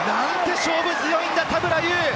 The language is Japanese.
勝負強いんだ、田村優！